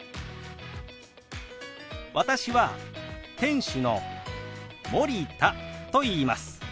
私は店主の森田といいます。